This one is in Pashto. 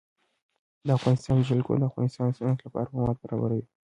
د افغانستان جلکو د افغانستان د صنعت لپاره مواد برابروي.